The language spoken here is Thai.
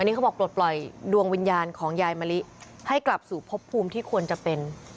นี่เขาบอกปลดปล่อยดวงวิญญาณของยายมะลิให้กลับสู่พบภูมิที่ควรจะเป็น